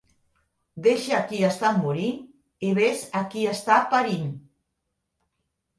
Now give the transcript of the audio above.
Deixa qui està morint i ves a qui està parint.